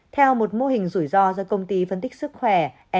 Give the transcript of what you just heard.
theo một mô hình rủi ro do công ty phân tích sức khỏe